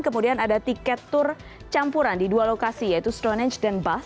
kemudian ada tiket tour campuran di dua lokasi yaitu stronage dan bus